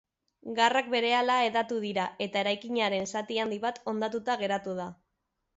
Garrak berehala hedatu dira eta eraikinaren zati handi bat hondatuta geratu da.